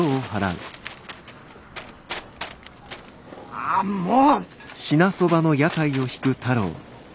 ああもう！